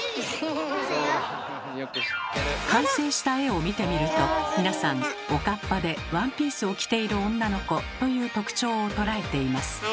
完成した絵を見てみると皆さんおかっぱでワンピースを着ている女の子という特徴を捉えています。